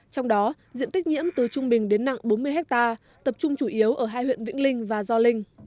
trong đó diện tích nhiễm từ trung bình đến nặng bốn mươi hectare tập trung chủ yếu ở hai huyện vĩnh linh và gio linh